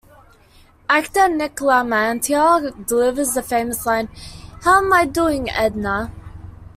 Actor Nick LaMantia delivers the famous line How'm I doing, Edna?